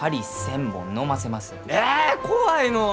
えっ怖いのう！